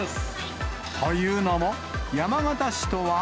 というのも、山形市とは。